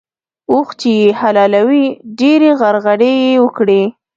اوښ چې يې حلالوی؛ ډېرې غرغړې يې وکړې.